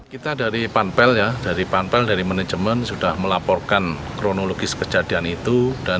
kita dari panpel dari manajemen sudah melaporkan kronologi kejadian itu